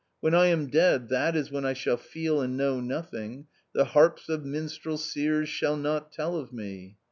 When I am dead, that is when I shall feel and know nothing, the harps of minstrel seers shall not tell of me.